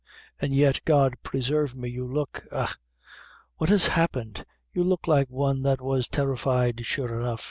And yet, God presarve me, you look eh! what has happened? you look like one that was terrified, sure enough.